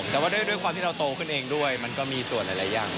แต่ว่าด้วยความที่เราโตขึ้นเองด้วยมันก็มีส่วนหลายอย่าง